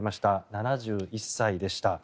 ７１歳でした。